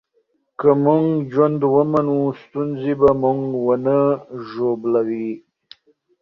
که موږ ژوند ومنو، ستونزې به موږ ونه ژوبلوي.